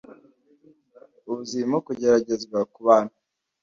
ubu zirimo kugeragerezwa ku bantu.